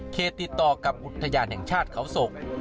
ติดต่อกับอุทยานแห่งชาติเขาศก